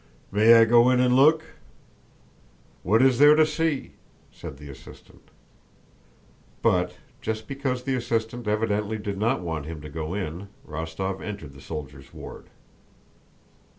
"May I go in and look?" "What is there to see?" said the assistant. But, just because the assistant evidently did not want him to go in, Rostóv entered the soldiers' ward.